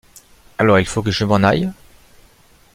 Alors, il faut que je m'en aille?